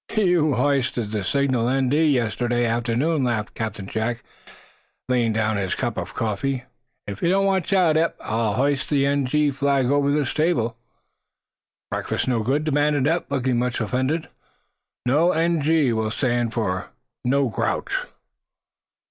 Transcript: "You hoisted the signal, 'N.D.', yesterday afternoon," laughed Captain Jack, laying down his coffee cup. "If you don't watch out, Eph, I'll hoist the 'N.G.' flag over this table." "Breakfast no good?" demanded Eph, looking much offended. "No; 'N.G.' will stand for 'no grouch.'"